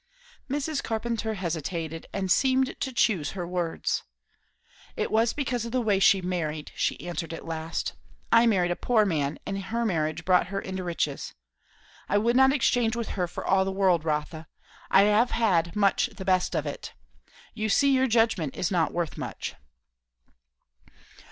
Mrs. Carpenter hesitated and seemed to choose her words. "It was because of the way she married," she answered at last. "I married a poor man, and her marriage brought her into riches. I would not exchange with her for all the world, Rotha. I have had much the best of it. You see your judgment is not worth much."